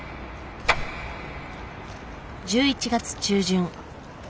１１月中旬。